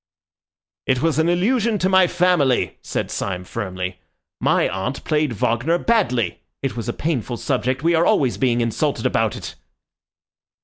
"It was an allusion to my family," said Syme firmly. "My aunt played Wagner badly. It was a painful subject. We are always being insulted about it."